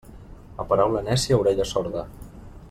A paraula nècia, orella sorda.